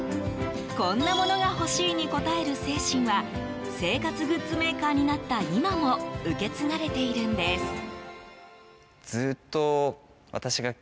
こんなものが欲しいに応える精神は生活グッズメーカーになった今も受け継がれているんです。